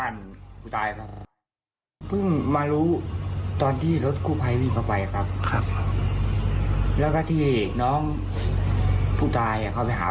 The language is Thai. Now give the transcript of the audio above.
นอกมานี่หรือเปล่า